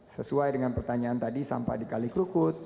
sesuai dengan pertanyaan tadi sampah di kalikrukut